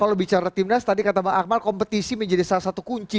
kalau bicara timnas tadi kata bang akmal kompetisi menjadi salah satu kunci